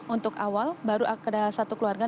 untuk awal baru ada satu keluarga